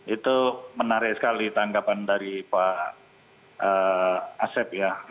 itu menarik sekali tanggapan dari pak asep ya